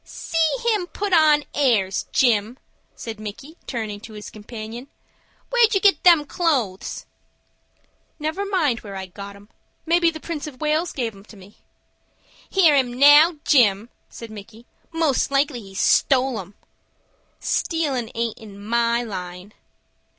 "See him put on airs, Jim," said Micky, turning to his companion. "Where'd you get them clo'es?" "Never mind where I got 'em. Maybe the Prince of Wales gave 'em to me." "Hear him, now, Jim," said Micky. "Most likely he stole 'em." "Stealin' aint in my line."